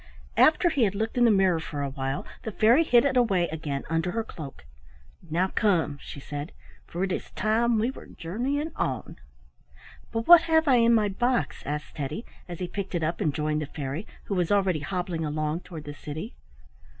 After he had looked in the mirror for a while the fairy hid it away again under her cloak. "Now come," she said, "for it is time we were journeying on." "But what have I in my box?" asked Teddy, as he picked it up and joined the fairy, who was already hobbling along toward the city.